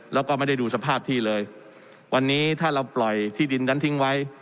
แล้วก็ไม่ได้ดูสภาพที่เลยวันนี้ถ้าเราปล่อยที่ดินนั้นทิ้งไว้